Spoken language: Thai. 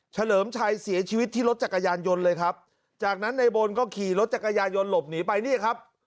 เลิมชัยเสียชีวิตที่รถจักรยานยนต์เลยครับจากนั้นในบนก็ขี่รถจักรยายนหลบหนีไปนี่ครับ